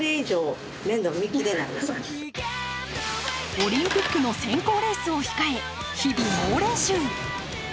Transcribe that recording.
オリンピックの選考レースを控え、日々猛練習。